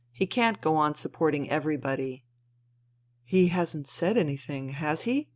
He can't go on supporting everybody." *' He hasn't said anything, has he ?